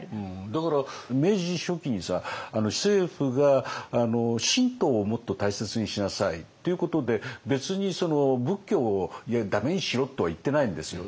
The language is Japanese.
だから明治初期に政府が神道をもっと大切にしなさいっていうことで別に仏教を駄目にしろとは言ってないんですよ。